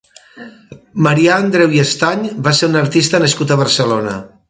Marià Andreu i Estany va ser un artista nascut a Barcelona.